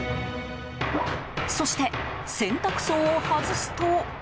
そして、洗濯槽を外すと。